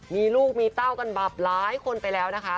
มีลูกมีเต้ากันแบบหลายคนไปแล้วนะคะ